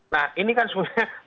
nah ini kan sebenarnya